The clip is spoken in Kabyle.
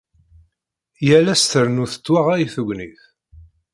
Yal ass trennu tettwaɣay tegnit.